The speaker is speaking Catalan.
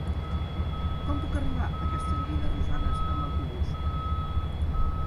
Com puc arribar a Castellví de Rosanes amb autobús?